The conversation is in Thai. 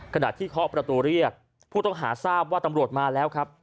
ขณะที่เคาะประตูเรียกผู้ต้องหาทราบว่าตำรวจมาแล้วครับ